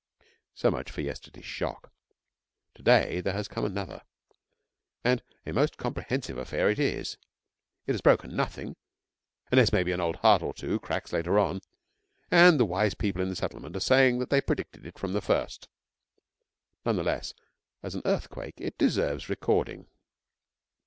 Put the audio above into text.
So much for yesterday's shock. To day there has come another; and a most comprehensive affair it is. It has broken nothing, unless maybe an old heart or two cracks later on; and the wise people in the settlement are saying that they predicted it from the first. None the less as an earthquake it deserves recording.